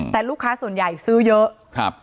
แต่ลูกค้าส่วนใหญ่ซื้อเยอะ